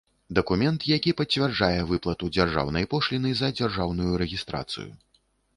Дакумент, якi пацвярджае выплату дзяржаўнай пошлiны за дзяржаўную рэгiстрацыю.